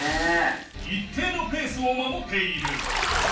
一定のペースを守っている。